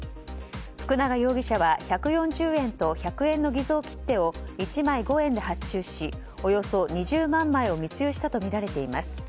福永容疑者は１４０円と１００円の偽造切手を１枚５円で発注しおよそ２０万枚を密輸したとみられています。